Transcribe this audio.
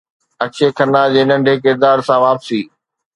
اڪشي کنا جي ننڍي ڪردار سان واپسي